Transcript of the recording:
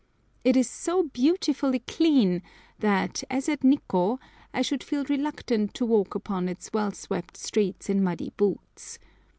It is so beautifully clean that, as at Nikkô, I should feel reluctant to walk upon its well swept streets in muddy boots.